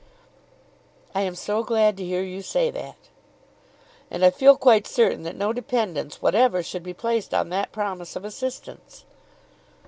"I am so glad to hear you say that." "And I feel quite certain that no dependence whatever should be placed on that promise of assistance."